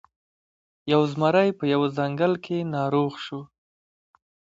یو زمری په یوه ځنګل کې ناروغ شو.